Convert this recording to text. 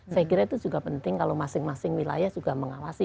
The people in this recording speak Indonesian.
saya kira itu juga penting kalau masing masing wilayah juga mengawasi